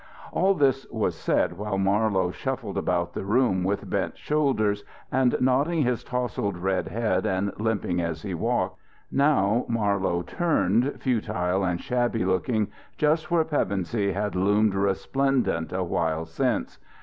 All this was said while Marlowe shuffled about the room, with bent shoulders, and nodding his tousled red head, and limping as he walked. Now Marlowe turned, futile and shabby looking, just where Pevensey had loomed resplendent a while since.